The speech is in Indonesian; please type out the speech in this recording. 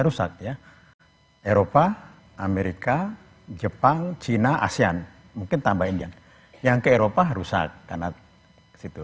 rusak ya eropa amerika jepang china asean mungkin tambahin yang ke eropa rusak karena situ